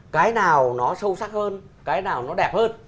cái nào nó sâu sắc hơn cái nào nó đẹp hơn